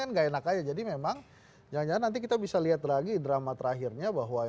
nggak enak aja jadi memang jangan jangan nanti kita bisa lihat lagi drama terakhirnya bahwa